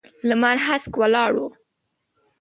لمر هسک ولاړ و.